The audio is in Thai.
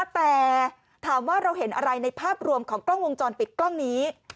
แต่ถามว่าเราเห็นอะไรในภาพรวมของกล้องวงจรปิดกล้องนี้